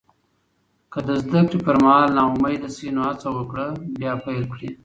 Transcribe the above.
که د زده کړې پر مهال ناامید شې، نو هڅه وکړه بیا پیل کړې.